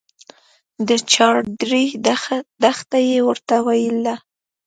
د چاردرې دښته يې ورته ويله.